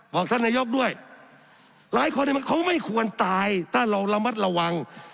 บอกท่านนายกด้วยหลายคนเขาไม่ควรตายถ้าเราระมัดระวัง